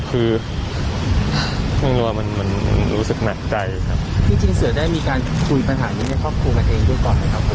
คือกลัวมันมันรู้สึกหนักใจครับที่จริงเสือได้มีการคุยปัญหานี้ในครอบครัวกันเองด้วยก่อนไหมครับ